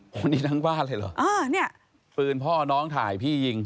โอ้นี่ทั้งบ้านเลยเหรอปืนพ่อน้องถ่ายพี่ยิง